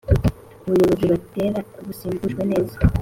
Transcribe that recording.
abuyubozi bareta bwasimbujwe neza